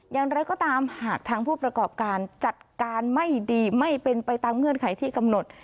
อย่างไรก็ตามหากทางผู้ประกอบการจัดการไม่ดีไม่เป็นไปตามเงื่อนไขที่กำหนด